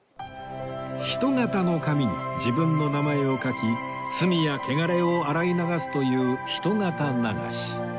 人形の紙に自分の名前を書き罪やけがれを洗い流すという人形流し